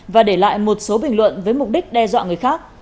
và để lại một số bình luận với mục đích đe dọa người khác